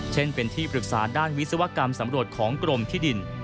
เช่นเป็นที่ปรึกษาด้านวิศวกรรมสำรวจของกรมที่ดิน